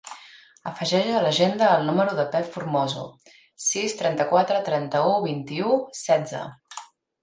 Afegeix a l'agenda el número del Pep Formoso: sis, trenta-quatre, trenta-u, vint-i-u, setze.